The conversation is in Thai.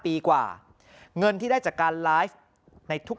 เพราะคนที่เป็นห่วงมากก็คุณแม่ครับ